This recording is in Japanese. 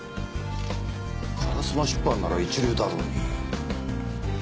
烏丸出版なら一流だろうに。